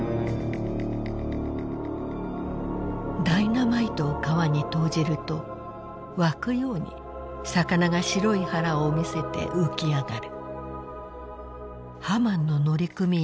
「ダイナマイトを川に投じると涌くように魚が白い腹をみせて浮きあがる」。